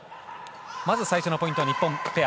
まず最初のポイントは日本ペア。